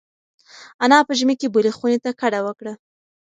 انا په ژمي کې بلې خونې ته کډه وکړه.